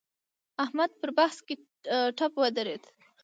احمد په بحث کې ټپ ودرېد.